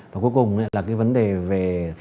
và cuối cùng là vấn đề về